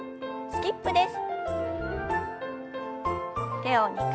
スキップです。